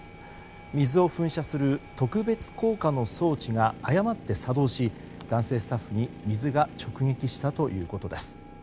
水を噴射する特別効果の装置が誤って作動し、男性スタッフに水が直撃したということです。